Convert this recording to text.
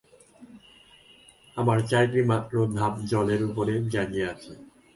আমার চারিটিমাত্র ধাপ জলের উপরে জাগিয়া আছে।